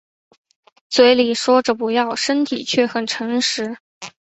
嘴里说着不要身体却很诚实